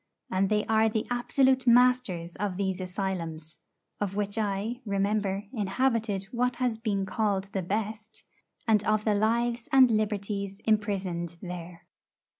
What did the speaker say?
And they are the absolute masters of these asylums (of which I, remember, inhabited what has been called the best), and of the lives and liberties imprisoned there.